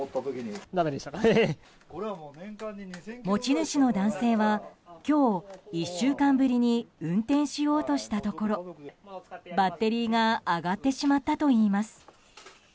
持ち主の男性は今日、１週間ぶりに運転しようとしたところバッテリーが上がってしまったといいます。